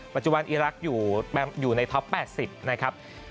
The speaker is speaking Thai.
ปัจจุบันอีรักษ์อยู่ในท็อป๘๐นะครับ